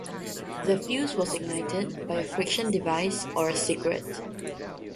The fuse was ignited by a friction device or a cigarette.